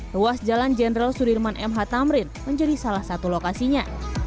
ruas jalan jenderal sudirman mh tamrin menjadi salah satu lokasinya